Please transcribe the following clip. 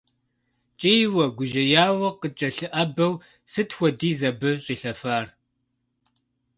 КӀийуэ, гужьеяуэ къыткӀэлъыӀэбэу сыт хуэдиз абы щӀилъэфар!